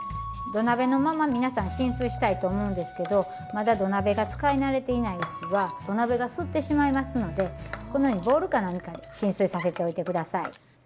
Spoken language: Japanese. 土鍋のまま皆さん浸水したいと思うんですけどまだ土鍋が使い慣れていないうちは土鍋が吸ってしまいますのでこのようにボウルか何かで浸水させておいて下さい。